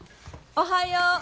おはよう。